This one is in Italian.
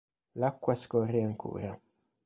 L'acqua scorre ancora.